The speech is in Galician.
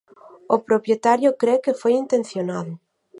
O propietario cre que foi intencionado.